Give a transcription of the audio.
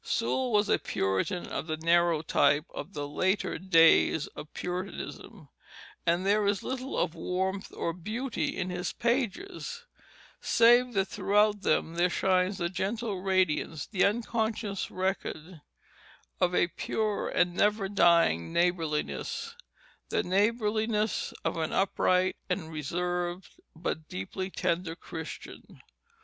Sewall was a Puritan of the narrow type of the later days of Puritanism; and there is little of warmth or beauty in his pages, save that throughout them there shines with gentle radiance the unconscious record of a pure and never dying neighborliness, the neighborliness of an upright and reserved but deeply tender Christian.